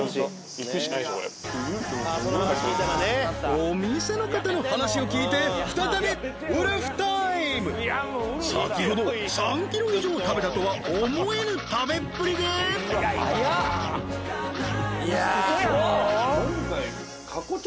お店の方の話を聞いて再びウルフタイム先ほど３キロ以上食べたとは思えぬ食べっぷりで嘘やろ！？